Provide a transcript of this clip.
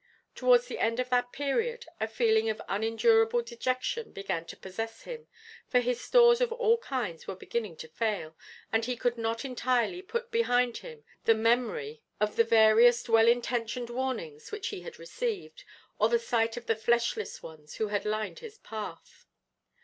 Towards the end of that period a feeling of unendurable dejection began to possess him, for his stores of all kinds were beginning to fail, and he could not entirely put behind him the memory of the various well intentioned warnings which he had received, or the sight of the fleshless ones who had lined his path.